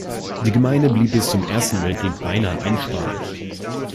Die Gemeinde blieb bis zum Ersten Weltkrieg beinahe einsprachig.